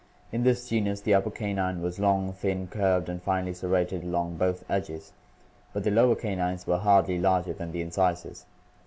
In this genus the upper canine was long, thin, curved, and finely serrated along both edges, but the lower canines were hardly larger than the incisors.